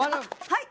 はい！